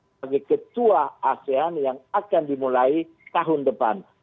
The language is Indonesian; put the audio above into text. sebagai ketua asean yang akan dimulai tahun depan